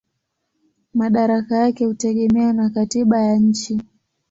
Madaraka yake hutegemea na katiba ya nchi.